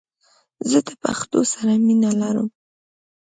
زه د پښتو سره مینه لرم🇦🇫❤️